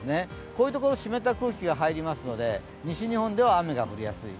こういうところ湿った空気が入りますので、西日本では雨が降りやすい。